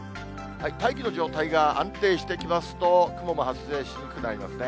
大気の状態が安定してきますと、雲も発生しにくくなりますね。